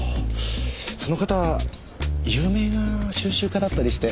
その方有名な収集家だったりして。